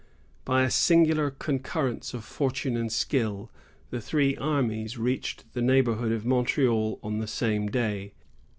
By a singular concurrence of fortune and skill, the three armies reached the neighborhood of Montreal on the same day.